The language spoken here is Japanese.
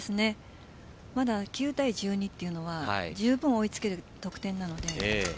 まだ９対１２というのはじゅうぶん追いつける得点なので。